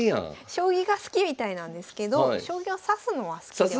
将棋が好きみたいなんですけど将棋を指すのは好きではないと。